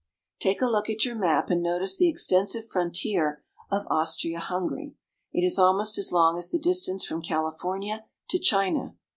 Take a look at your map and notice the extensive frontier of Austria Hungary. It is almost as long as the distance from California to China.